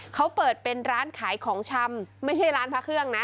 เขาเปิดเป็นร้านขายของชำไม่ใช่ร้านพระเครื่องนะ